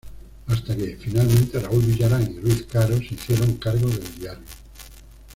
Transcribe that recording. Hasta que finalmente, Raúl Villarán y Ruiz Caro, se hicieron cargo del diario.